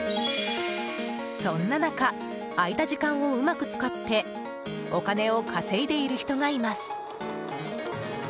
そんな中、空いた時間をうまく使ってお金を稼いでいる人がいます。